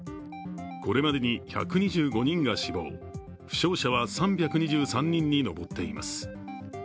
これまでに１２５人が死亡、負傷者は３２３人に上っています。